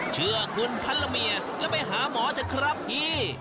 เชื่อคุณพันละเมียแล้วไปหาหมอเถอะครับพี่